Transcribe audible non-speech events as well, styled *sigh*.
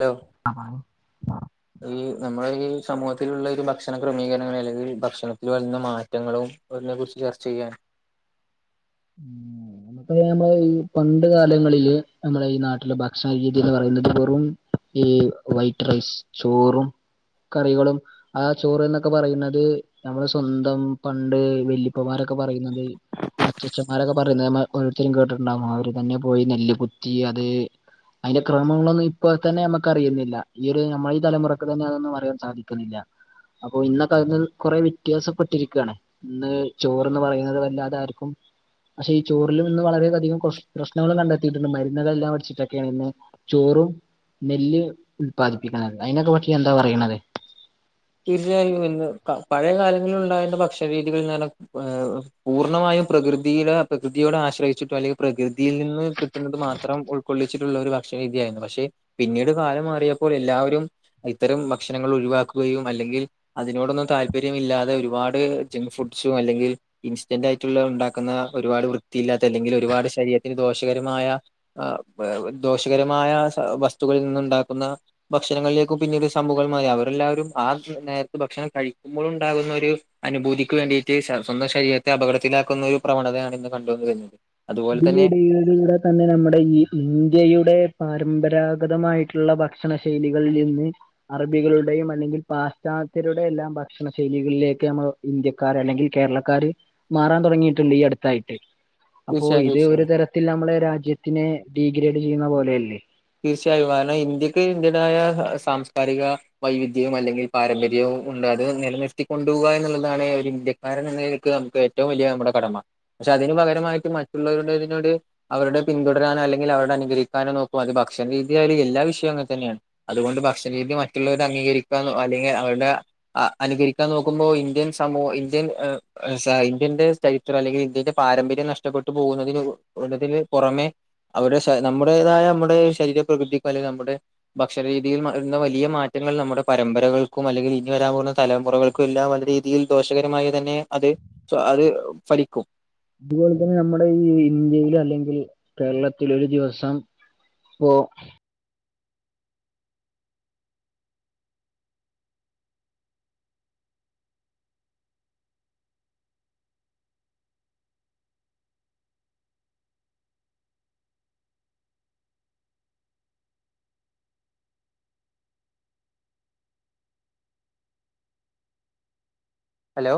Hello. ഈ നമ്മുടെ ഈ സമൂഹത്തിലുള്ള ഒരു ഭക്ഷണ ക്രമീകരണങ്ങളില്, *unintelligible* ഭക്ഷണത്തിൽ വരുന്ന മാറ്റങ്ങളും കുറിച്ച് ചർച്ച ചെയ്യാൻ ഉം പ്പ നമ്മള് ഈ പണ്ട് കാലങ്ങളില് നമ്മുടെ ഈ നാട്ടിലെ ഭക്ഷണ രീതി എന്ന് പറയുന്നത് വെറും, ഈ വൈറ്റ് റൈസ് ചോറും, കറികളും, ആ ചോറ് എന്നൊക്കെ പറയുന്നത്, നമ്മള് സ്വന്തം പണ്ട് വല്യപ്പമാരൊക്കെ പറയുന്നത്, അച്ചിച്ചന്മാരൊക്കെ പറയുന്നത് നമ്മ ഓരോരുത്തരും കേട്ടിട്ടുണ്ടാകും. അവര് തന്നെ പോയി നെല്ല്കുത്തി അത് അതിന്റെ ക്രമങ്ങളൊന്നും ഇപ്പോ തന്നെ നമുക്ക് അറിയുന്നില്ല. ഈ ഒരു നമ്മ ഈ തലമുറക്ക് തന്നെ അതൊന്നും അറിയാൻ സാധിക്കുന്നില്ല. അപ്പൊ ഇന്നൊക്കെ അതിന്നിൽ കൊറെ വ്യത്യാസപ്പെട്ടിരിക്കുകയാണ്. ഇന്ന് ചോറ്ന്ന് പറയുന്നത് അല്ലാതെ ആര്ക്കും, പക്ഷെ ഈ ചോറിൽ ഇന്ന് വളരെയധികം പ്രശ്നങ്ങൾ കണ്ടെത്തിയിട്ടുണ്ട്. മരുന്നുകളെല്ലാം അടിച്ചിട്ടൊക്കെയാണ് ഇന്ന് ചോറും നെല്ല് ഉല്പാദിപ്പിക്കുന്നത്. അതിനൊക്കെ പറ്റി എന്താ പറയണത്. തീർച്ചയായും. ഇന്ന് പഴയ കാലങ്ങളിൽ ഉണ്ടായിരുന്ന ഭക്ഷണ രീതികൾ നേ പൂർണ്ണമായും പ്രകൃതി പ്രകൃതിയോട് ആശ്രയിച്ചിട്ടും, അല്ലെങ്കിൽ പ്രകൃതിയിൽ നിന്ന് കിട്ടുന്നത് മാത്രം ഉൾ കൊള്ളിച്ചിട്ടുള്ള ഒരു ഭക്ഷണ രീതിയായിരുന്നു. പക്ഷെ പിന്നീട് കാലം മാറിയപ്പോൾ എല്ലാവരും, ഇത്തരം ഭക്ഷണങ്ങൾ ഒഴിവാക്കുകയും, അല്ലെങ്കിൽ അതിനോടൊന്നും താല്പര്യമില്ലാതെ ഒരുപാട് ജം ഫുഡ്സും, അല്ലെങ്കിൽ ഇൻസ്റ്റന്റ് ആയിട്ടുള്ള ഉണ്ടാക്കുന്ന ഒരുപാട് വൃത്തിയില്ലാത്ത, അല്ലെങ്കിൽ ഒരുപാട് ശരീരത്തിന് ദോഷകരമായ ആ പ ദോഷകരമായ വസ്തുക്കളിൽ നിന്നുണ്ടാക്കുന്ന ഭക്ഷണങ്ങളിലേക്കും പിന്നീട് സമുഹം മാറി. അവരെല്ലാവരും ആ നേരത്ത് ഭക്ഷണം കഴിക്കുമ്പോൾ ഉണ്ടാകുന്ന ഒരു അനുഭൂതിക്ക് വേണ്ടിയിട്ട് സ്വന്തം ശരീരത്തെ അപകടത്തിലാക്കുന്ന ഒരു പ്രവണതയാണ് ഇന്ന് കണ്ടോണ്ട് വരുന്നത്. അതുപോലെ തന്നെ *unintelligible* തന്നെ നമ്മുടെ ഈ ഇന്ത്യയുടെ പാരമ്പരാഗതമായിട്ടുള്ള ഭക്ഷണ ശൈലികളിൽ നിന്ന്, അറബികളുടെയും അല്ലെങ്കിൽ പാശ്ചാത്യരുടെ എല്ലാം ഭക്ഷണ ശൈലികളിലേക്ക് നമ്മ ഇന്ത്യക്കാര് അല്ലെങ്കിൽ കേരളക്കാര് മാറാൻ തുടങ്ങിയിട്ടുണ്ട് ഈ അടുത്തായിട്ട്. അപ്പോ തീർച്ചയായും ഇത് തീർച്ചയായും ഒരു തരത്തിൽ നമ്മള് രാജ്യത്തിന് ഡീഗ്രേഡ് ചെയ്യുന്ന പോലെയല്ലേ. തീർച്ചയായും. കാരണം ഇന്ത്യക്ക് ഇന്ത്യയുടെതായ സാംസ്കാരിക വൈവിധ്യവും, അല്ലെങ്കിൽ പാരമ്പര്യവും ഉണ്ട്. അത് നിലനിർത്തിക്കൊണ്ടുപോകുക എന്നുള്ളതാണ് ഒരു ഇന്ത്യ *unintelligible* നമുക്ക് ഏറ്റവും വലിയ നമ്മുടെ കടമ. പക്ഷെ അതിന് പകരമായിട്ട് മറ്റുള്ളവരുടെതിനോട് അവരുടെ പിന്തുടരാനോ, അല്ലെങ്കിൽ അവരുടെ അനുകരിക്കാനോ നോക്ക അത് ഭക്ഷണ രീതിയാലും എല്ലാ വിഷയവും അങ്ങെനെ തന്നെയാണ്. അതുകൊണ്ട് ഭക്ഷണ രീതി മറ്റുള്ളവരടെ അംഗീകരിക്കാനൊ അല്ലെങ്കിൽ അവരുടെ അനുകരിക്കാൻ നോക്കുമ്പോൾ ഇന്ത്യൻ സമൂഹ ഇന്ത്യൻ ഇന്ത്യന്റെ സ് *unintelligible* അല്ലെങ്കിൽ ഇന്ത്യന്റെ പാരമ്പര്യം നഷ്ടപ്പെട്ടു പോകുന്നത് നുള്ളതിൽ പുറമെ, അവടെ ശൈ നമ്മടേതായ നമ്മുടെ ശരീര പ്രകൃതിക്കും, അല്ലെങ്കിൽ നമ്മുടെ ഭക്ഷണ രീതിയിൽ വരുന്ന വലിയ മാറ്റങ്ങൾ നമ്മുടെ പരമ്പരകൾക്കും, അല്ലെങ്കിൽ ഇനി വരാൻ പോകുന്ന തലമുറകൾക്കും, ല്ലാം നല്ല രീതിയിൽ ദോഷകരമായി തന്നെ അത് അത് ഫലിക്കും ഇതുപോലെ തന്നെ നമ്മുടെ ഈ ഇന്ത്യൽ അല്ലെങ്കിൽ കേരളത്തില ഒരു ദിവസം, ഓ ഹലോ